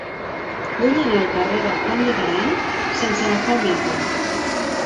Vull anar al carrer de Juan de Garay sense agafar el metro.